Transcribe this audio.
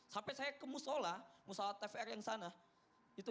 sampai saya ke musola musola tvr yang sana